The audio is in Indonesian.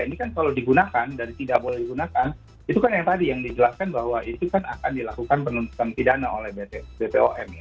ini kan kalau digunakan dan tidak boleh digunakan itu kan yang tadi yang dijelaskan bahwa itu kan akan dilakukan penuntutan pidana oleh bpom ya